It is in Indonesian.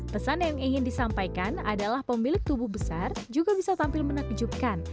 pesan yang ingin disampaikan adalah pemilik tubuh besar juga bisa tampil menakjubkan